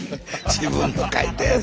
自分の書いたやつ。